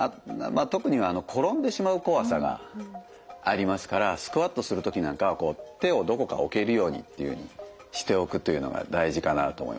特に転んでしまう怖さがありますからスクワットする時なんかは手をどこか置けるようにっていうふうにしておくというのが大事かなと思いますね。